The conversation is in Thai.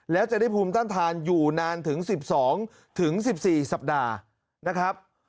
แล้วจะได้ภูมิต้านทานอยู่นานถึง๑๒๑๔สัปดาห์นะครับ